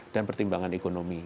dan pertimbangan ekonomi